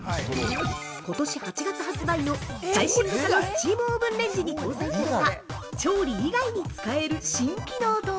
ことし８月発売の最新型のスチームオーブンレンジに搭載された調理以外に使える新機能とは？